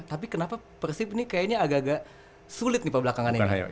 tapi kenapa persib ini kayaknya agak agak sulit nih pak belakangan ini